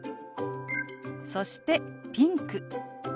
そして「ピンク」。